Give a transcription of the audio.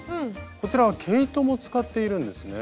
こちらは毛糸も使っているんですね。